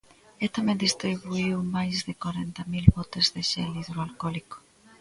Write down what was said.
E tamén distribuíu máis de corenta mil botes de xel hidroalcólico.